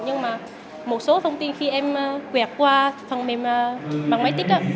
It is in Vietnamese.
nhưng mà một số thông tin khi em quẹt qua phần mềm bằng máy tích đó